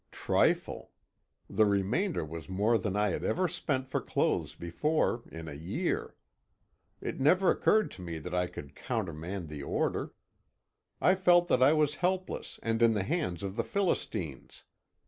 Trifle!! The remainder was more than I had ever spent for clothes before in a year. It never occurred to me that I could countermand the order. I felt that I was helpless and in the hands of the Philistines.